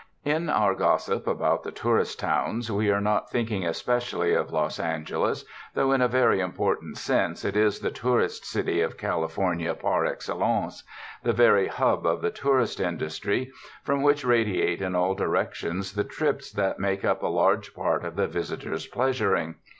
In our gossip about the tourist towns we are not thinking especially of Los Angeles, though in a very important sense it is the tourist city of California par excellence, the very hub of the tourist country, from which radiate in all directions the trips that make up a large part of the visitors' pleasuring.